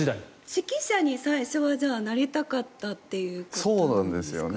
指揮者に最初はなりたかったということなんですか？